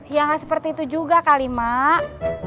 ya nggak seperti itu juga kali mak